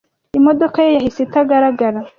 Imodoka ye yahise itagaragara.